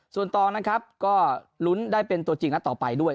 ส่วนตองนะครับก็ลุ้นได้เป็นตัวจริงนัดต่อไปด้วย